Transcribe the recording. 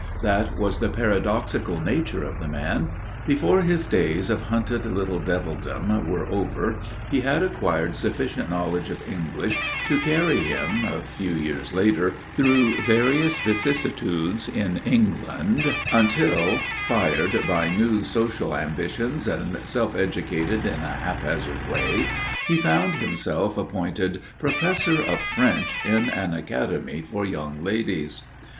That was the paradoxical nature of the man. Before his days of hunted little devildom were over he had acquired sufficient knowledge of English to carry him, a few years later, through various vicissitudes in England, until, fired by new social ambitions and self educated in a haphazard way, he found himself appointed Professor of French in an academy for young ladies.